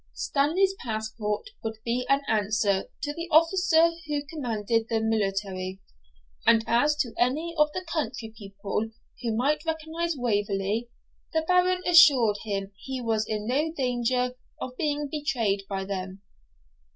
Stanley's passport would be an answer to the officer who commanded the military; and as to any of the country people who might recognise Waverley, the Baron assured him he was in no danger of being betrayed by them.